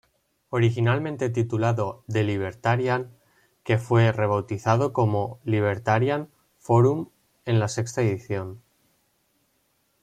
Originalmente titulado "The Libertarian", que fue rebautizado como Libertarian Forum en la sexta edición.